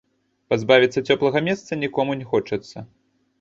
Пазбавіцца цёплага месца нікому не хочацца.